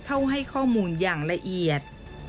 เข้าให้ข้อมูลอย่างละเอียด